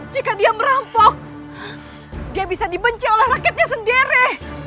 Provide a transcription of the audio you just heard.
jika dia merampok dia bisa dibenci oleh rakyatnya sendiri